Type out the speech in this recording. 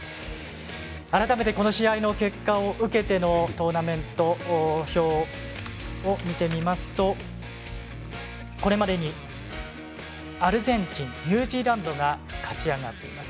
改めてこの試合の結果を受けてのトーナメント表を見てみますとこれまでにアルゼンチンニュージーランドが勝ち上がっています。